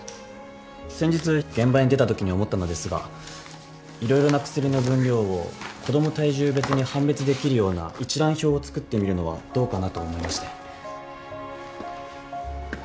先日現場に出たときに思ったのですが色々な薬の分量を子供体重別に判別できるような一覧表を作ってみるのはどうかなと思いまして。